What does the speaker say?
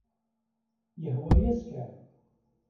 Yehwa-yas kan.